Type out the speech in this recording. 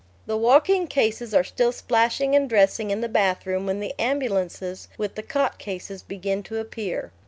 The walking cases are still splashing and dressing in the bathroom when the ambulances with the cot cases begin to appear.